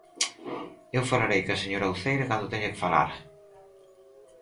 Eu falarei coa señora Uceira cando teña que falar.